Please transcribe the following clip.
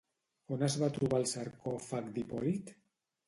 On es va trobar el sarcòfag d'Hipòlit?